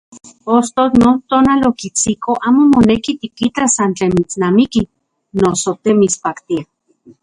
Ostotl non tonal okitsiko amo moneki tikitas san tlen mitsnamiki noso te mitspaktia.